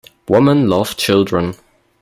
Women love children.